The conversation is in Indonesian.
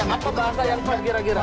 apa bahasa yang kira kira